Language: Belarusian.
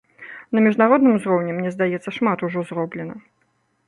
На міжнародным узроўні, мне здаецца, шмат ужо зроблена.